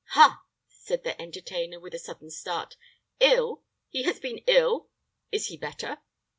"Ha!" said their entertainer, with a sudden start. "Ill! Has he been ill? Is he better?"